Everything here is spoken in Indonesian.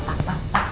pak pak pak